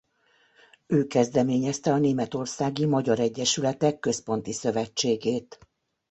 Ő kezdeményezte a Németországi Magyar Egyesületek Központi Szövetségét.